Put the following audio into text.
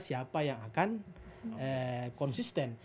siapa yang akan konsisten